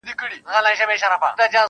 په خامه خوله وعده پخه ستایمه,